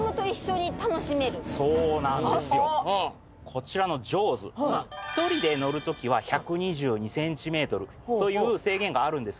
こちらのＪＡＷＳ１人で乗るときは１２２ｃｍという制限があるんですけど。